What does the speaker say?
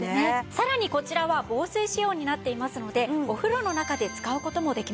さらにこちらは防水仕様になっていますのでお風呂の中で使う事もできます。